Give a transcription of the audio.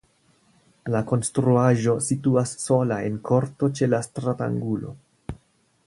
La konstruaĵo situas sola en korto ĉe stratangulo.